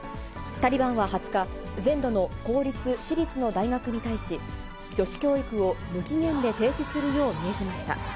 タリバンは２０日、全土の公立、私立の大学に対し、女子教育を無期限で停止するよう命じました。